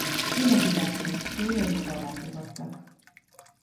Privatizációs céljai korlátozottak.